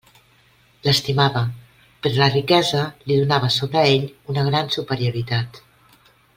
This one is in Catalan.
L'estimava; però la riquesa li donava sobre ell una gran superioritat.